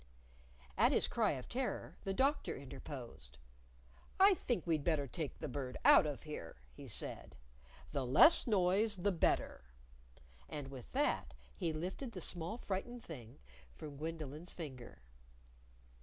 _" At his cry of terror, the Doctor interposed. "I think we'd better take the Bird out of here," he said. "The less noise the better." And with that, he lifted the small frightened thing from Gwendolyn's finger.